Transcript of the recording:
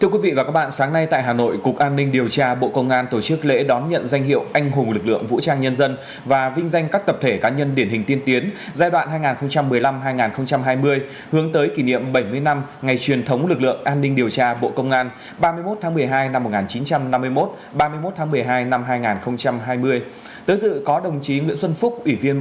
các bạn hãy đăng ký kênh để ủng hộ kênh của chúng mình nhé